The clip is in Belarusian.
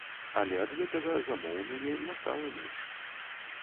Але ад гэтага замоў у мяне не стала менш.